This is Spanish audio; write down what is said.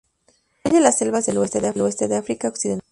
Incluye las selvas del oeste de África occidental.